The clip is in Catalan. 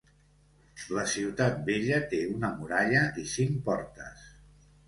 La ciutat vella té una muralla i cinc portes.